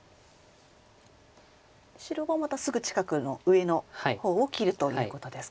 白はまたすぐ近くの上の方を切るということですか。